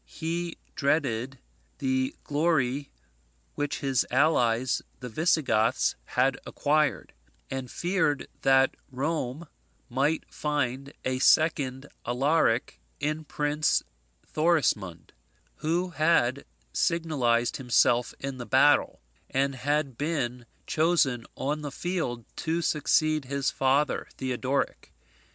He dreaded the glory which his allies the Visigoths had acquired; and feared that Rome might find a second Alaric in Prince Thorismund, who had signalized himself in the battle, and had been chosen on the field to succeed his father Theodoric.